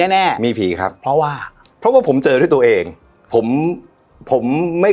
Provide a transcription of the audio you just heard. แน่มีผีครับเพราะว่าเพราะว่าผมเจอด้วยตัวเองผมผมไม่